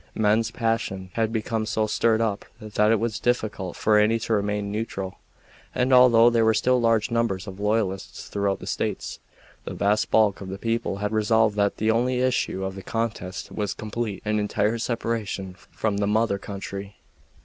Men's passions had become so stirred up that it was difficult for any to remain neutral; and although there were still large numbers of loyalists throughout the States, the vast bulk of the people had resolved that the only issue of the contest was complete and entire separation from the mother country.